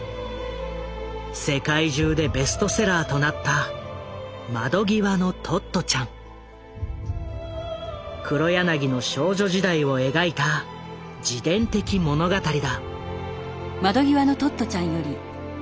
世界中でベストセラーとなった黒柳の少女時代を描いた自伝的物語だ。